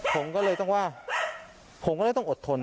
ผมก็เลยต้องว่าผมก็เลยต้องอดทน